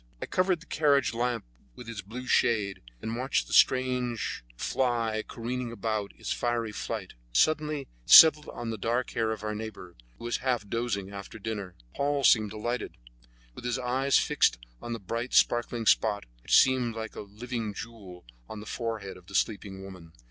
I covered the carriage lamp with its blue shade and watched the strange fly careering about in its fiery flight. Suddenly it settled on the dark hair of our neighbor, who was half dozing after dinner. Paul seemed delighted, with his eyes fixed on the bright, sparkling spot, which looked like a living jewel on the forehead of the sleeping woman.